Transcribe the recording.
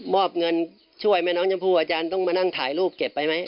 อบเงินช่วยแม่น้องชมพู่อาจารย์ต้องมานั่งถ่ายรูปเก็บไปไหม